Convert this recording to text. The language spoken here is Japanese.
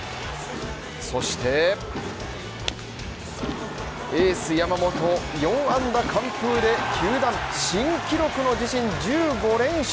そしてエース・山本４安打完封で球団新記録の自身１５連勝。